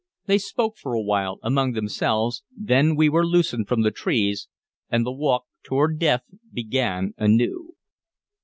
They spoke for a while among themselves; then we were loosed from the trees, and the walk toward death began anew.